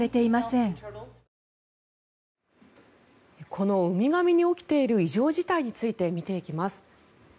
このウミガメに起きている異常事態について見ていきます。